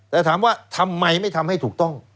แต่ถามว่าทำไมไม่ทำให้ถูกต้อง